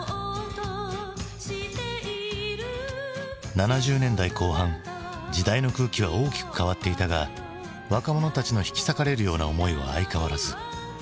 ７０年代後半時代の空気は大きく変わっていたが若者たちの引き裂かれるような思いは相変わらず。